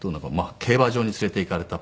競馬場に連れて行かれたっぽくて。